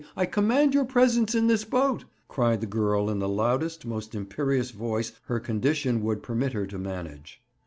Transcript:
I command your presence in this boat!' cried the girl in the loudest, most imperious voice her condition would permit her to manage.